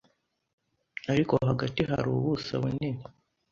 Ariko hagati hari ubuso bunini